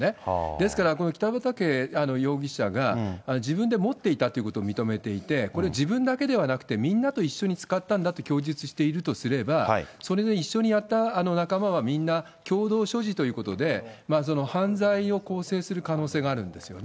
ですから、この北畠容疑者が自分で持っていたってことを認めていて、これを自分だけではなくて、みんなと一緒に使ったんだと供述しているとすれば、それで一緒にやった仲間はみんな共同所持ということで、犯罪を構成する可能性があるんですよね。